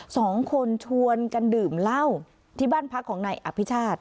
สองคนชวนกันดื่มเหล้าที่บ้านพักของนายอภิชาติ